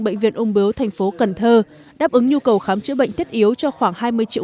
bệnh viện ung biếu thành phố cần thơ đáp ứng nhu cầu khám chữa bệnh thiết yếu cho khoảng hai mươi triệu